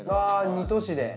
２都市で。